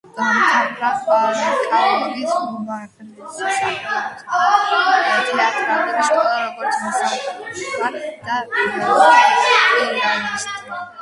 დაამთავრა კრაკოვის უმაღლესი სახელმწიფო თეატრალური სკოლა, როგორც მსახიობმა და პიანისტმა.